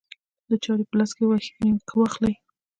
د چارې په لاس کې واخلي.